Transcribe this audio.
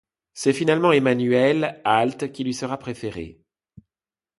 C'est finalement Emmanuelle Alt qui lui sera préférée.